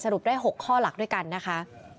รุปได้๖ข้อหลักด้วยกันนะคะ